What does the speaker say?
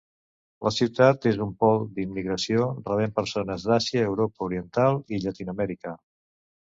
La ciutat és un pol d'immigració, rebent persones d'Àsia, Europa Oriental i Llatinoamèrica.